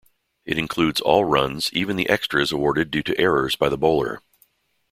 It includes all runs, even the extras awarded due to errors by the bowler.